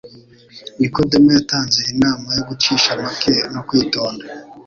Nikodemu yatanze inama yo gucisha make no kwitonda.